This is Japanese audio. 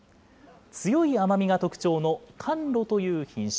強い甘みが特徴の甘露という品種。